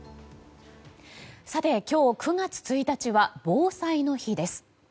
さて今日、９月１日は防災の日です。